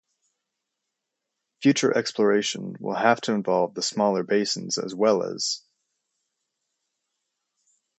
Future exploration will have to involve the smaller basins as well as